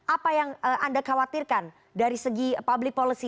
apa yang anda khawatirkan dari segi public policy